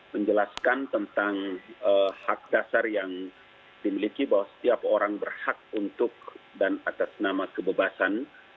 menjelaskan tentang hak dasar yang dimiliki bahwa setiap orang berhak untuk dan atas nama kebebasan